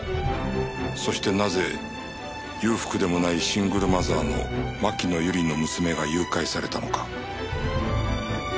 そしてなぜ裕福でもないシングルマザーの牧野由梨の娘が誘拐されたのか